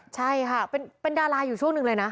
ใช่ค่ะเป็นดาราอยู่ช่วงหนึ่งเลยนะ